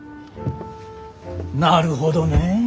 なるほどねえ。